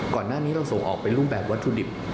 ก่อนหน้านี้เราส่งออกเป็นรูปแบบวัตถุดิบ